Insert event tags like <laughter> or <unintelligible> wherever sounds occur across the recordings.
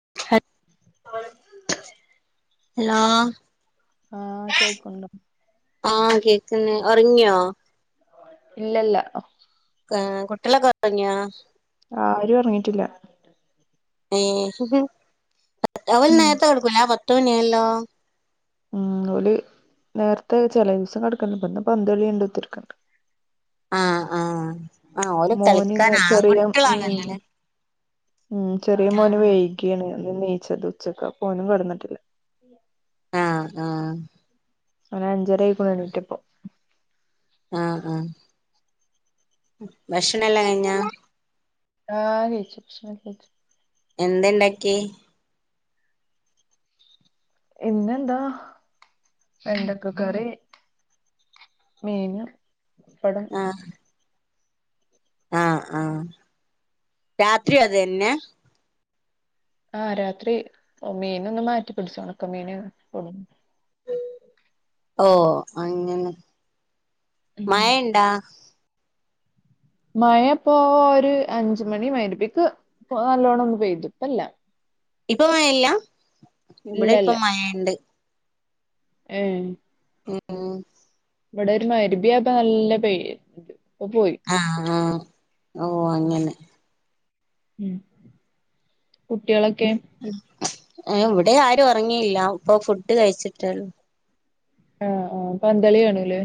<inaudible> Hello, ആഹ് കേൾക്കുണ്ടോ ആഹ് കേക്കുന്നെ ഒറങ്ങിയോ? ഇല്ലല്ല. ആ കുട്ടികളൊക്കെ ഒറങ്ങിയോ? ആരും ഒറങ്ങിയിട്ടില്ല. ഏഹ് അവര് ഉം നേരെത്തെ കടാക്കൂല പത്ത് മണി ആയല്ലോ? ഉം ഓല് നേരത്തെ ചെല ദിവസം കിടക്കല്ണ്ട ഇപ്പെന്ന് പന്തളി കണ്ട് കുത്തിരി ക്ക്ണ്ട് ആഹ് ആഹ് ആഹ് ഓല് മോനിന്ന് കളിക്കാൻ ചെറിയ ഉം. ആൺകുട്ടികളാണല്ലോല്ലേ ഉം ചെറിയ മോന് ആഹ് വൈകിയാണ് ഓനും നീച്ചത് ഉച്ചക്ക് അപ്പൊ ഓനും കെടന്നിട്ടില്ല. ആഹ് ആഹ്. ഓന് അഞ്ചരായിക്ക്ണു എണീറ്റപ്പം. ആഹ് ആഹ് ഭക്ഷണം എല്ലാം കഴിഞ്ഞാ? ആഹ് കെയ്ച്ചു. ബക്ഷനൊക്കെ കഴിച്ചു. എന്തെണ്ടാക്കി? ഇന്നെന്താ വെണ്ടക്ക കറി. മീൻ പടം. ആഹ് ആഹ് ആഹ് രാത്രിയു അതന്നെ. ആഹ് രാത്രി മീന് ഒന്ന് മാറ്റി പിടിച്ചു. ഒണക്ക മീന് കൊട്ന്നു. ഓഹ് അങ്ങെനെ. മഴ ഉം ണ്ടാ? മഴ ഇപ്പൊ ഒരു അഞ്ച് മണി മഹരിബിപ്പിക്ക് നല്ലോണ്ണം ഒന്ന് പെയ്തു, ഇപ്പല്ല. ഇപ്പം മഴ ല്ല? ഇബെടെ ഇല്ലല്ല ഇപ്പം മഴ ണ്ട്. ഏഹ്. ഉം ഉം ഇവടെ ഒരു മഹ്രിബിയായപ്പം നല്ല പെയ്യ് ത് ഇപ്പൊ പോയി. ആഹ് ആഹ് ഓഹ് അങ്ങനെ. ഉം കുട്ട്യേളൊക്കെ? ഉം. ഏഹ് ഇവടെ ആരും ഉറങ്ങിയില്ല ഇപ്പൊ ഫുഡ് കഴിച്ചിട്ടേള്ളൂ. ആഹ് ആഹ് പന്തളി കാണൂല്ലേ.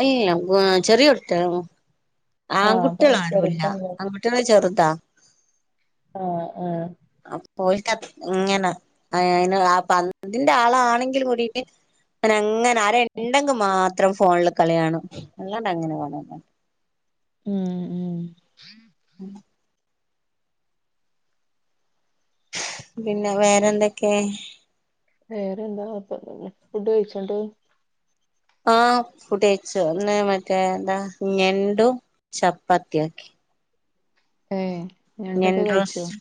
ഇല്ല വ ചെറിയുട്ട്യേളാ. ആഹ് പ ആൺകുട്ട്യേളാരൂല. ചെറുതാണ് അവ് ട്ട്യേള് ചെറ്താ. ആഹ് ആഹ് അപ്പോൽക ഇങ്ങനെ ഏഹ് അയ്ന്ള്ള പന്തിന്റെ ആളാണെങ്കിൽ കൂടിട്ട് ഓനങ്ങനെ ആരെ ഇണ്ടെങ്കി മാത്രം ഫോണ്ട്ല് കളി കാണും. അല്ലാണ്ടങ്ങനെ കാണൂല ഉം ഉം ഉം പിന്നെ വേറെന്തൊക്കെ? വേറെ എന്താ. കൊയ്പ്പൊന്നുല്ല. ഫുഡ് കഴിച്ചൊ ന്ന്ട്ട്? ആഹ് ഫുഡ് കഴിച്ചു ഇന്ന് മറ്റേ എന്താ ഞണ്ടും ചപ്പാത്തി ആക്കി. ഏഹ്. ഞണ്ടൊക്കെ കഴിച്ചോ ഞണ്ട്റോസ്റ്റ്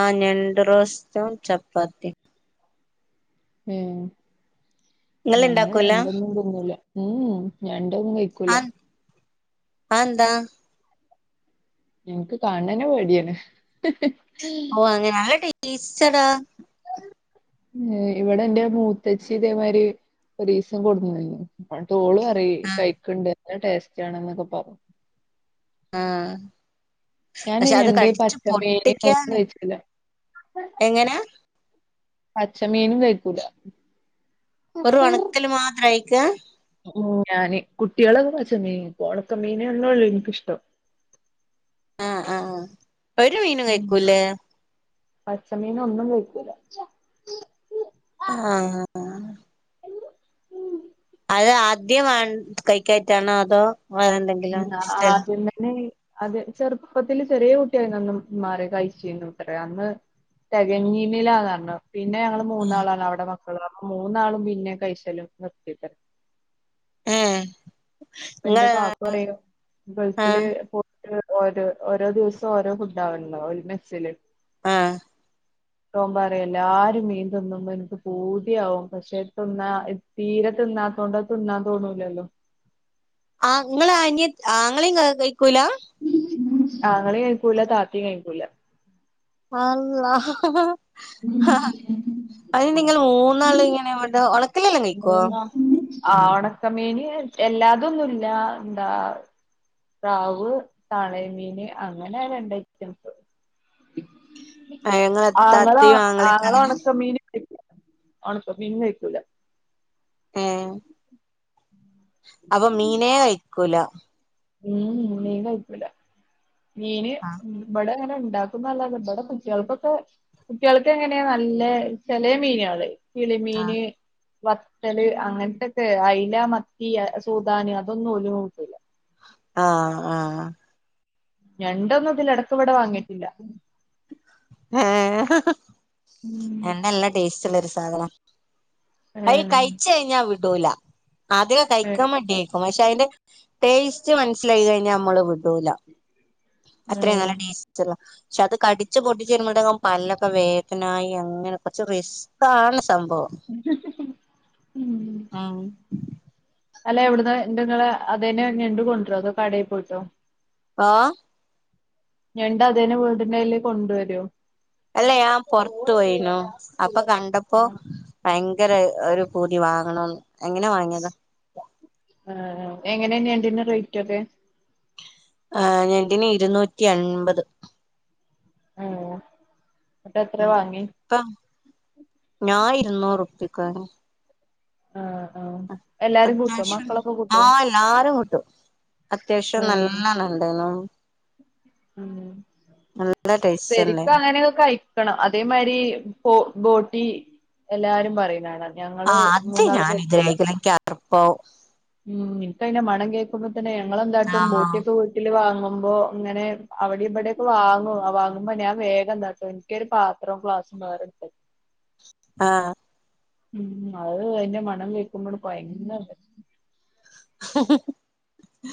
ആഹ് ഞണ്ട്റോസ്റ്റും ചപ്പാത്തിം. ഉം. നിങ്ങള് ഞങ്ങള് ഇണ്ടാക്കൂല ഞണ്ടൊന്നും തിന്നൂല്ല ഉംമ് ഞണ്ടൊന്നും കഴി <unintelligible> അ എന്താ. ഞങ് ക്ക് കാണ് ണെന്നെ പേട്യാണ്. ഓഹ് അങ്ങെ നല്ലെ ടേസ്റ്റെടാ. ഏഹ് ഇവടെ ന്റെ മൂത്തേച്ചി ഇതേമായ്രി ഒരീസം കൊട്ന്നിയുന്നു. ഇന്നട്ട് ഓള് പറ്യാ ആഹ് കഴിക്ണ്ട് നല്ല ടേസ്റ്റാണ് ന്നൊക്കെ പറഞ്ഞു. ആഹ് ഞാൻ പക്ഷെ അത് ഞണ്ട് കടിച്ചു പച്ചമീന് ഒന്നും പൊട്ടിക്കാനെ, കഴിച്ചില്ല എങ്ങനാ? പച്ച മീനും കഴിക്കൂല. വെറും ഒണക്കല് മാത്രാ കയിക്കാ. ഉം ഞാന്. കുട്ട്യേളൊക്കെ പച്ച മീൻ കഴിക്കും ഒണക്കമീനൊന്നൊള്ളൂ ഇൻക്കിഷ്ടം. ആഹ് ആഹ്. ഒരു മീനും കഴിക്കൂല്ലേ? പച്ചമീനൊന്നും കഴിക്കൂല. ആഹ് അത് ആദ്യം വെണ്ട് കഴിക്കായിട്ടാണോ അതോ വേറെ എന്തെ ആഹ് ആദ്യംതന്നെ. അതെ ചെറുപ്പത്തില് ചെറിയ കുട്ടിയായി അന്ന് മാറി കഴിച്ചുന്നേത്രേ അന്ന് തികഞ്ഞിന്നില്ലന്ന് പറഞ്ഞു പിന്നെ ഞങ്ങള് മൂന്നാളാണ് അവടെ മക്കള്. അപ്പൊ മൂന്നാളും പിന്നെ കഴിക്കലും നിർത്തിത്രേ ഏഹ് ഇങ്ങള് അപ്പോന്റെ കാക്കു പറയും ഗൾഫില് ആഹ് ഒരു ഓരോ ഓരോ ദിവസം ഓരോ ഫുഡാ ആവരടെ ഒരു മെസ്സില് ആഹ് അവൻ പറയും എല്ലാരും മീൻ തീന്നുമ്പോ എനിക്ക് പൂതിയാവും പക്ഷെ ഇട്ടുണ്ണാൻ ഇ തീരെ തിന്നാത്തോണ്ട് അത് തിന്നാൻ തോന്നൂലല്ലോ ആഹ് നിങ്ങളെ അനിയൻ അങ്ങളെം കഴിക്കൂല ആങ്ങളെം കഴിക്കൂല താത്തേം കഴിക്കൂല അള്ളാഹാ ആഹ്ഹ അത് നിങ്ങള് മൂന്നാള് ഇങ്ങനെ മറ്റേ ഉണക്കല്ലേല്ലാം കഴിക്കോ? ആഹ് ഉണക്കമീന് എല്ലാതൊന്നുല്ല എന്താ സ്രാവ് തളമീന് അങ്ങനെ രണ്ട് ഐറ്റംസ് ഏഹ് ഇങ്ങളെ ആങ്ങള ഇത്താത്തിം ആങ്ങളൊക്കെ ആങ്ങള അങ്ങനെ ഒണക്ക മീനും ഒണക്ക മീനും കഴിക്കൂല ഏഹ് അപ്പോ മീനേ കഴിക്കൂല മംമം മീൻ കഴിക്കൂല്ല, മീന് ആഹ് ഇവടെ അങ്ങനെ ഉണ്ടാക്കുന്നല്ലതെ ഇവടെ കുട്ട്യോൾക്കൊക്കെ കുട്ടിൾക്ക് എങ്ങനെയാ നല്ല ചെലെ മീനേള് ആഹ് കിളിമീന് വത്തല് അങ്ങനത്തെക്കെ. അയല മത്തി സൂദാന് അതൊന്നും ഒരു കൂട്ടുലാ ആഹ് ആഹ് ഞണ്ടൊന്നും ഇതിലെ എടക്ക് ഇവിടെ വാങ്ങിയിട്ടില്ല ഏഹ് എണ്ണ എല്ലാ ടേസ്റ്റ്ള്ള ഒരു സാധന അയി ഏഹ് കഴിച്ചഴിഞ്ഞാ വിടൂല അതിക ഏഹ് കഴിക്കാൻമടി <unintelligible> ക്ഷെ അതിന്റെ ടേസ്റ്റ് മനസ്സിലായി കഴിഞ്ഞാൽ നമ്മള് വിടൂല അത്രയും ഏഹ് നല്ല ട്ടേസ്റ്റ് ച്ചതാ പക്ഷെ കടിച്ച് പൊട്ടിച് വരുമ്പഴേങ്കും പല്ലൊക്കെ വേദനായി അങ്ങനെ കുറച്ച്റിസ് ക്കാണ് സംഭവം മം ഉം അല്ല എവിടുന്ന എന്ത ഇങ്ങള് അതേനെ ഞണ്ട് കൊണ്ടുവരോ അതെ കടയിൽ പോയിട്ടോ? ആഹ് ഞണ്ട് അതേനെ വീടിന്റെ ആയിലെ കൊണ്ടുവരോ? അല്ല ഞാൻ പൊറത്ത് പോയിനു അപ്പൊ കണ്ടപ്പോ ഭയ ങ്കര ഒരു പൂതി വാങ്ങണംന്ന്. അങ്ങനെ വാങ്ങിയതാ ആഹ് എങ്ങനെയാ ഞണ്ടിന്റെ റേറ്റ് ഒക്കെ? ആഹ് ഞണ്ട്ന് ഇരുന്നൂറ്റി അൻപത് ആഹ് എന്ന്ട്ട് എത്ര വാങ്ങി ഇപ്പോ ഞാൻ ഇരുന്നൂറ്പ്പിക്ക ഒപ്പിക്കാനോ ആഹ് ആഹ് എല്ലാരും കൂട്ടോ അത്യാവശ്യണ്ട് മക്കളൊക്കെ കൂട്ടോ ആഹ് എല്ലാരും കൂട്ടും അത്യാവശ്യം ഏഹ് നല്ലാണ് ഉണ്ടന്നു മം നല്ല ടേസ്റ്റ് പെരികൊ ഇണ്ടായിന്നു അങ്ങനെക്കയി ക്കണം അതേമാതിരി ബോട്ടി എല്ലാരും പറയുന്നാണ്. ആഹ് അത് ഞാൻ ഇതരെ കഴിക്കില്ല എനിക്കർപ്പാവും. ഉം ഇൻക്കയ്ന്റെ മണം കേക്കുമ്പോ തന്നെ ഞങ്ങളെന്താട്ടും ആഹ് ബോട്ടിയൊക്കെ കൂ ട്ടിൽ വാങ്ങുമ്പോ ഇങ്ങനെ അവിടെ ഇവിടെയൊക്കെ വാങ്ങും വാങ്ങുമ്പോ ഞാൻ വേഗന്താക്കും. ഇൻകൊരു പാത്രും ഗ്ലാസും വേറെ ഇട്ത്തെക്കും ആഹ് ഉം അത് അയിന്റെ മണം കേക്കുമ്പോൾ കൊയങ്ങല്ലെ <inaudible>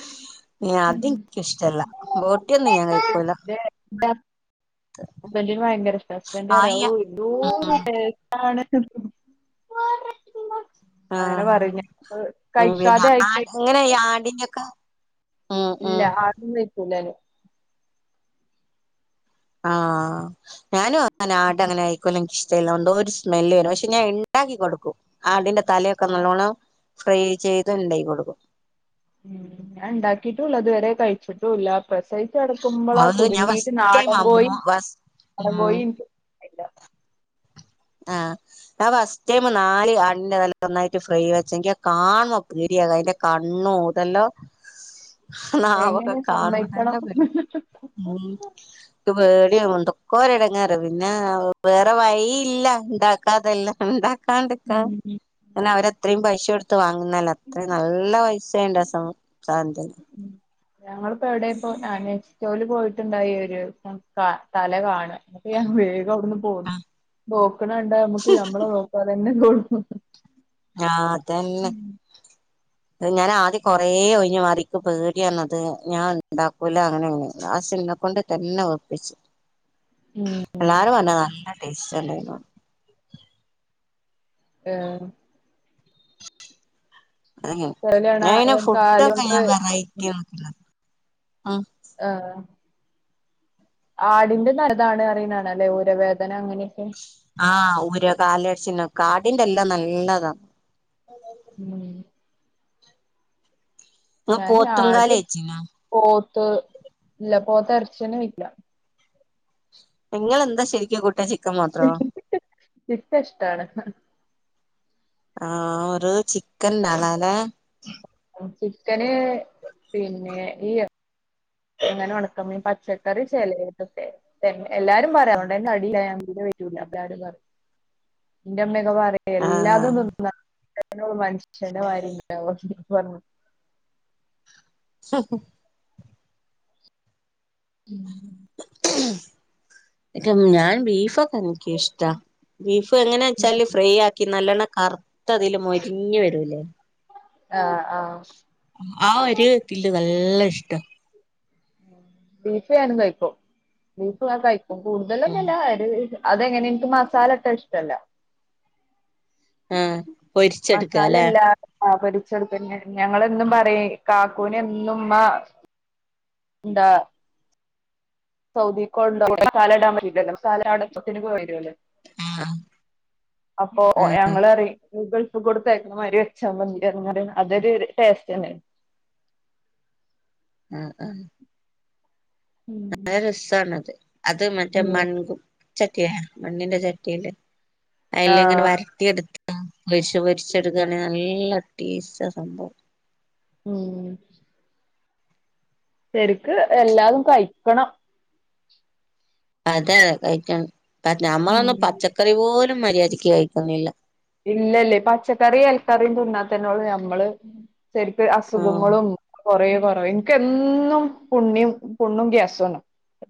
ഏഹ് അതിൻക്കിഷ്ടല്ല ബോട്ടിയൊന്നും ഞാൻ കഴിക്കൂല ഹസ്ബന്റിന് ഭയങ്കര ഇഷ്ട ഹസ്ബനന്റ്റിയ ആയ അവൂ എന്തോരു ഉം ടേസ്റ്റ് ആണന്ന് അങ്ങനെ ആഹ് പറയുലേ കഴിക്കാതെ ആയിട്ട് അങ്ങനെ ഈ ആടിന്റോക്കെ ഇല്ല ആട്ട്ന്റെയ്ക്കുല ആഹ് ഞാനും അങ്ങനെ ആട് അങ്ങനെ കഴിക്കൂല ഇൻകിഷ് ടല്ല ഒരു സ്മെല്ല് വരും പക്ഷെ ഞാൻ ഉണ്ടാക്കി കൊടുക്കും ആടിന്റെ തലയൊക്കെ നല്ലോണം ഫ്രൈ ചെയ്ത് ഉണ്ടായി കൊടുക്കും ഉം ഞാൻ ണ്ടാക്കിട്ടുല്ല ഇത് വരെ കഴിച്ചിട്ടുല്ല പ്രസവി ച്ച് കെടക്കുമ്പോളാ അത് ഞാൻ കുടുങ്ങീട്ട് ഫസ്റ്റ് ടൈം നാടൻ കോയി അമ്മ ഫസ് നാടൻ ഉം കോയി <unintelligible> ആഹ് ഞാൻ ഫസ്റ്റ് ടൈം നാല് ആട്ൻ്റെതല ഒന്നായിട്ട് ഫ്രൈ വെച്ചെങ്കി കാണുമ്പ പേടിയാക അതിന്റെ കണ്ണും ഇതെല്ലാം നാവൊക്കെ എങ്ങനെ കാണുമ്പം സമ്മതിക്കണം തന്നെ പേടിയ ഉം ഇൻക്ക് പേടിയ എന്തൊക്കെടങ്ങാറ് പിന്നെ വേറെ വഴിയി ഇല്ല ഇണ്ടാക്കാതല്ല ഉണ്ടാക്കാണ്ടക്കാൻ ഉം. പിന്നേ അവര് അത്രയും പൈസൊടുത്ത് വാങ്ങുന്നാല്ലെ അത്രയും നല്ല പൈസയുണ്ട് ആ സാധത്തിന് ഞങ്ങളിപ്പോ എവിടെ ഇപ്പോ അനസ്റ്റോൽ പോയിട്ടുണ്ടായി ഒരു തല കാണ അപ്പം ഞാൻ വേഗം അവിടുന്ന് പോന്ന് നോക്കണണ്ട നമ്മുക്ക് നമ്മളെ നോക്കാതെന്നെ തോന്നും ആഹ് അതന്നെ ഞാൻ ആദ്യം കൊറേ ഒഴിഞ്ഞ് മാറി ഇൻക്ക് പേടിയണത് ഞാൻ ഉണ്ടാക്കൂല അങ്ങനെ ആ ലാസ്‌റ്റ് എന്നെ കൊണ്ട് തന്നെ വെപ്പിച്ചു ഉം. എല്ലാരും പറഞ്ഞു നല്ല ടേസ്റ്റ് ഉണ്ടേന്നു ആഹ് അതെ ഞൻെ തലയാണ പിന്നെ ഫുഡൊക്കെ കാലുകൊണ്ട് ഞാൻ വെറൈറ്റിയൊക്കെ ഉണ്ടാക്കും ആഹ് ആടിന്റെ നല്ലതാണ് അറിയുന്നാണ് അല്ലേ ഊരവേദന അങ്ങനെയൊക്കെ ആഹ് ഊര കാലട്ച്ചില്ന് ആടിന്റെ എല്ലാം നല്ലതാണ് ഉം ഇങ്ങള് ഞാന് ആട് പോത്തുംകാല് കഴിച്ചീനോ പോത്ത് ഇല്ല പോത്ത് എർച്ചിന്നെ വില്ല നിങ്ങെന്താ ശരിക്കും കൂട്ട ചിക്കൻ മാത്രോ ചിക്ക ചിക്കൻ ഇഷ്ടാണ് ആഹ് ഒരു ചിക്കൻ നളല്ലെ ചിക്കന് പിന്നെ ഈ അങ്ങനെ ഉണക്കമീൻ പച്ചക്കറി ചിലയതൊക്കെ എല്ലാരും പറയാം അതോണ്ട് തടില്ല ഞാൻ തീരെ പറ്റൂല എല്ലാവരും പറയും ഇൻ്റെ ഇമ്മയൊക്കെ പറയും ആഹ് എല്ലാതും തിന്നണം <unintelligible> മനുഷ്യന്റെ മാതിരി ഉണ്ടാവ <unintelligible> ഉം ഞാൻ ബീഫ് ഒക്കെ എനിക്കിഷ്ടാ ബീഫ് എങ്ങനാ വെച്ചാല് ഫ്രൈ ആക്കി നല്ലോണ്ണം കറു കറുത്ത ആ തിൽ മൊരിഞ്ഞു വരൂലെ ആഹ് ആഹ് ആ ഒരു ഇതിൽ നല്ല നല്ല ഇഷ്ട്ടാ ബീഫ് ഞാനും കഴിക്കും ബീഫ് കഴിക്കുന്നത് കഴിക്കും കൂടുതൽ ഉം ഒന്നും ഇല്ല അതെങ്ങനെ എനിക്ക് മസാല ഇട്ട ഇഷ്ടല്ല ആഹ് പൊരിച്ചെടുക്കാല്ലേ മസാലല്ല ആ പൊരിച്ച് എടുത്ത് ഞങ്ങളും എന്നും പറയും കാക്കുവിന് എന്നും ഉമ്മ എന്താ സൗദിക്ക് പോവ്ണ്ടോ അവിടെ കാലാ ഡാമല്ലല്ലോ കാലാടത്തിന് പോയി വരുും അല്ലോ അ അപ്പൊ ഞങ്ങളറീം ഗൾഫ് കൊടുത്തായകുന്ന മാതിരി വെച്ചാ മതി എന്ന് പറയും അതൊരു ടേസ്റ്റ് തന്നെയാണ് ആ ആ നല്ല രസണത് അത് മറ്റേ ഉം മൺകും ചട്ടിയാ മണ്ണിന്റെ ചട്ടിയില് അതിൽ ഇങ്ങനെ ആഹ് വര ട്ടിയെടുത്ത് പൊരി പൊരി ച്ചെടുക്കുകയാണെങ്കിൽ നല്ല ടേസ്റ്റ ആ സംഭവം ഉം ശരിക്ക് എല്ലാതും കഴിക്കണം അതെതെ കഴിക്ക ഉം ഞമ്മളൊന്നും പച്ചക്കറി പോലും മര്യാദയ്ക്ക് കഴിക്കുന്നില്ല ഇല്ലല്ലേ പച്ചക്കറി ഇലക്കറിയും തിന്നാത്തന്നെയ ഉള്ളൂ ഞമ്മള് ശരിക്ക് ആഹ് അസുഖങ്ങളും കൊറ കുറയും എനിക്ക് എന്നും പുണ്യും പുണ്ണും ഗ്യാസും ആണ്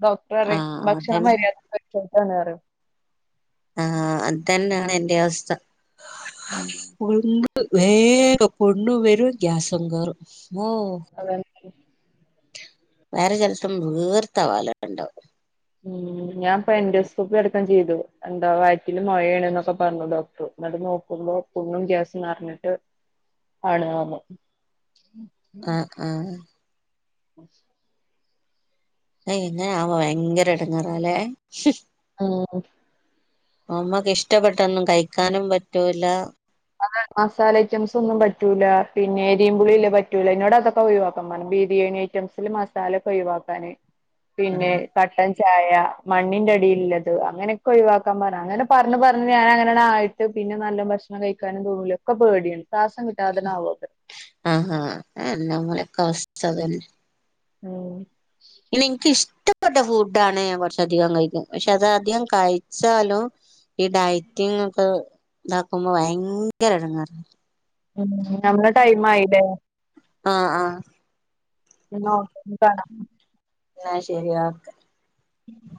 ഡോക്ടർ പറയും ആഹ് ഭക്ഷണം അതന്നെ മരി യാധിക്ക് കഴികാതോ കേട്ടാ ന്ന് പറയും ആഹ് അത്തന്നെയാണ് എന്റെ അവസ്ഥ ഉം പുണ്ണ് വേഗം പുണ്ണ് വരൂം ഗ്യാസുംകേറും അതെ വേറെ ചിലപ്പം വീർത്തവാല ഉണ്ടാവും ഉം ഞാൻ പ എൻറോസ്കോപ്പി അടക്കം ചെയ്തു എന്താ വയറ്റില് മുഴയേന് എന്നൊക്കെ പറഞ്ഞു ഡോക്ടർ എന്നിട്ട് നോക്കുമ്പോ പുണ്ണും ഗ്യാസ് നിറഞ്ഞിട്ട് ആണ് പറഞ്ഞു <unintelligible> ആഹ് ആഹ് <inaudible> ഏ ഇങ്ങനേ ആകുമ്പോൾ ഭയങ്കര എടങ്ങാറാല്ലേ ഉം ഹ് നമ്മക്ക് ഇഷ്ടപ്പെട്ടൊന്നും കഴിക്കാനും പറ്റൂല ആഹ് മസാല ഐറ്റംസ് ഒന്നും പറ്റൂല പിന്നെ എരിമ്പുളി ഇല്ല പറ്റൂല എന്നോട് അതൊക്കെ ഒഴിവാക്കാറഞ്ഞു ബിരിയാണി റ്റംസിൽ മസാല ഒക്കെ ഒഴിവാക്കാന് പിന്നെ കട്ടൻ ചായ മണ്ണിന്റെ അടിയില്ലത് അങ്ങനെയൊക്കെ ഒഴിവാക്കാൻ പറഞ്ഞ് അങ്ങനെ പറഞ്ഞ് പറഞ്ഞ് ഞാനങ്ങനാണ് ആ ട്ട് പിന്നെ നല്ല ഭക്ഷണം കഴിക്കാനും തോന്നൂല ഒക്കെ പേടിയാണ് ശ്വാസം കിട്ടാതാനേ ആവുവൊക്കെ ആഹ് ആ നമ്മളൊക്കെ അവസ്ഥ അതന്നെ മ് പിന്നെ എനിക്കിഷ്ടപ്പെട്ട ഫുഡാണ് ഞാൻ കുറച്ചധികം കഴിക്കും പക്ഷെ അത് അധികം കഴി ച്ചാലും ഈ ഡയറ്റിങ് ഒക്കെ ഇതാക്കുമ്പോ ഭയങ്കര ഇടങ്ങേറ ഉം നമ്മളെ ടൈം ആയില്ലേ ആഹ് ആ എന്നാ ഒക്കെ പിന്നെ കാണാം എന്നാ ശെരി ഓക്കെ ഉം